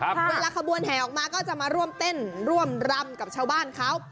เวลาขบวนแห่ออกมาก็จะมาร่วมเต้นร่วมรำกับชาวบ้านเขา